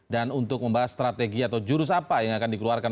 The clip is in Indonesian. dan untuk membahas strategi atau jurus apa yang akan dikeluarkan